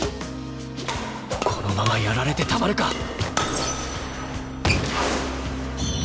このままやられてたまるか！